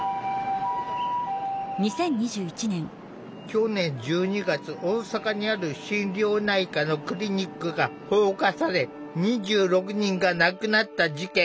去年１２月大阪にある心療内科のクリニックが放火され２６人が亡くなった事件。